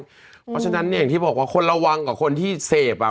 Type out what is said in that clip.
เพราะฉะนั้นอย่างที่บอกว่าคนระวังกับคนที่เสพ